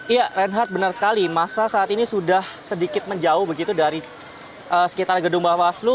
iya reinhardt benar sekali masa saat ini sudah sedikit menjauh begitu dari sekitar gedung bawaslu